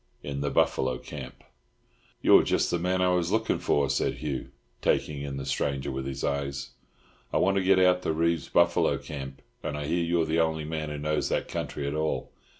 IN THE BUFFALO CAMP. "You're just the man I was looking for," said Hugh, taking in the stranger with his eyes. "I want to get out to Reeves's buffalo camp, and I hear you're the only man who knows that country at all.